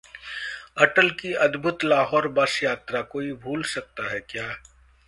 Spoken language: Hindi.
अटल की अद्भुत लाहौर बस यात्रा, कोई भूल सकता है क्या?